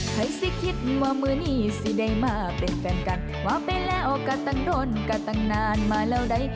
ให้สิคิดว่ามือนี้สิได้มาเป็นแฟนกันว่าไปแล้วก็ตั้งดนก็ตั้งนานมาแล้วได้